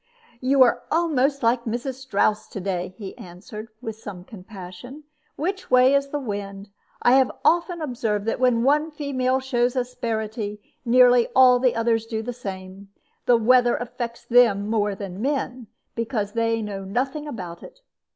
"You are almost like Mrs. Strouss to day," he answered, with some compassion. "What way is the wind? I have often observed that when one female shows asperity, nearly all the others do the same. The weather affects them more than men, because they know nothing about it.